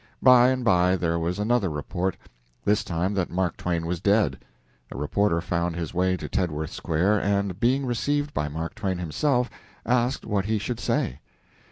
By and by there was another report this time that Mark Twain was dead. A reporter found his way to Tedworth Square, and, being received by Mark Twain himself, asked what he should say.